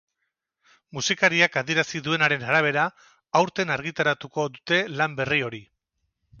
Musikariak adierazi duenaren arabera, aurten argitaratuko dute lan berri hori.